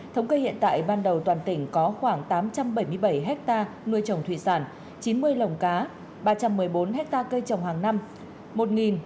thống kê hiện tại ban đầu toàn tỉnh có khoảng tám trăm bảy mươi bảy hectare nuôi trồng thủy sản chín mươi lồng cá ba trăm một mươi bốn hectare cây trồng hàng năm